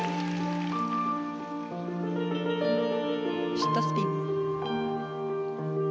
シットスピン。